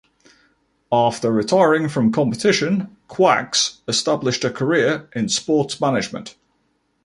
After retiring from competition, Quax established a career in sports management.